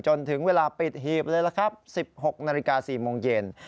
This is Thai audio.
จนถึงเวลาปิดหีบเลยล่ะครับ๑๖นาฬิกา๔โมงเย็น